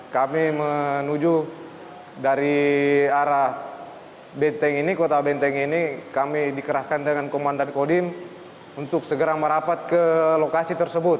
kami menuju dari arah benteng ini kota benteng ini kami dikerahkan dengan komandan kodim untuk segera merapat ke lokasi tersebut